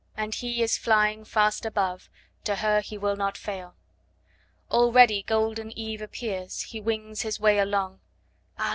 And he is flying Fast above, To her he will Not fail. Already golden Eve appears; He wings his way along; Ah!